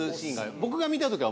僕が見た時は。